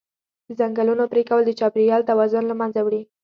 د ځنګلونو پرېکول د چاپېریال توازن له منځه وړي.